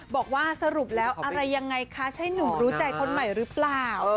บอกว่าสรุปแล้วอะไรยังไงคะใช่หนุ่มรู้ใจคนใหม่หรือเปล่า